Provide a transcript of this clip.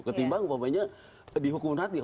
ketimbang umpamanya dihukum mati